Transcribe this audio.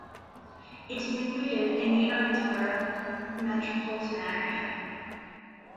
It is included in the Owensboro metropolitan area.